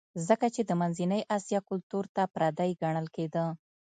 ځکه چې د منځنۍ اسیا کلتور ته پردی ګڼل کېده